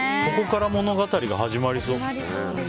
ここから物語が始まりそう。